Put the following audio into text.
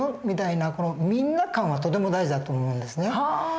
みたいなみんな感はとても大事だと思うんですね。